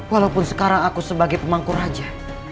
walaupun sekarang aku sebagai pemangku raja